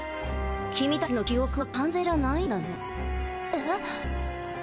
キミたちの記憶は完全じゃないんだねえっ？